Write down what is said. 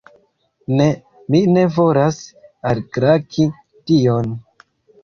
Ne, mi ne volas alklaki tion!